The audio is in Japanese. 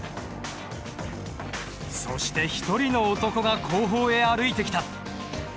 そして一人の男が後方へ歩いてきた。